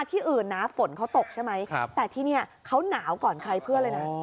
ที่อื่นนะฝนเขาตกใช่ไหมแต่ที่นี่เขาหนาวก่อนใครเพื่อนเลยนะ